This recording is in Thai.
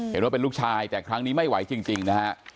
เห็นว่าเป็นลูกชายแต่ครั้งนี้ไม่ไหวจริงนะฮะ